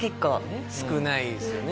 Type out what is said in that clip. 少ないんですよね。